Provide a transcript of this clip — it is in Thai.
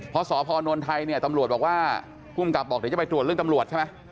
เพราะสพนไทยเนี่ยตำรวจบอกว่าภูมิกับบอกเดี๋ยวจะไปตรวจเรื่องตำรวจใช่ไหม